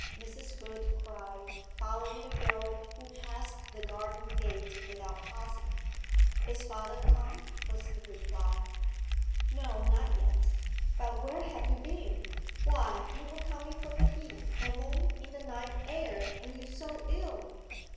Mrs. Hood cried, following the girl who passed the garden gate without pausing. 'Is father come?' was the reply. 'No, not yet. But where have you been? Why, you were coming from the Heath, Emily, in the night air, and you so ill!'